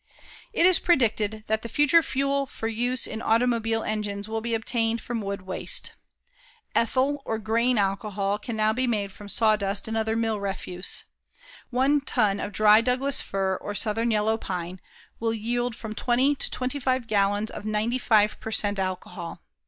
It is predicted that the future fuel for use in automobile engines will be obtained from wood waste. Ethyl or "grain" alcohol can now be made from sawdust and other mill refuse. One ton of dry Douglas fir or southern yellow pine will yield from twenty to twenty five gallons of 95 per cent. alcohol.